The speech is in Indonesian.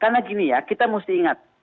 karena gini ya kita mesti ingat